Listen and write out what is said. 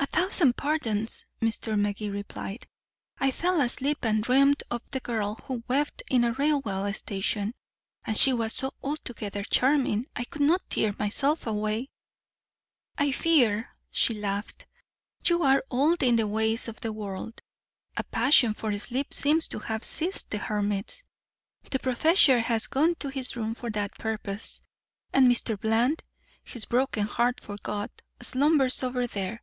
"A thousand pardons," Mr. Magee replied. "I fell asleep and dreamed of a girl who wept in a railway station and she was so altogether charming I could not tear myself away." "I fear," she laughed, "you are old in the ways of the world. A passion for sleep seems to have seized the hermits. The professor has gone to his room for that purpose. And Mr. Bland, his broken heart forgot, slumbers over there."